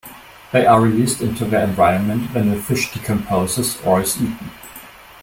They are released into the environment when the fish decomposes or is eaten.